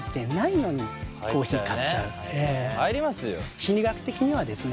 心理学的にはですね